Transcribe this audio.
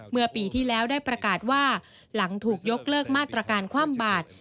เมื่อปีที่แล้วได้ประกาศว่าหลังถูกยกเลิกมาตรการคว่ำบาด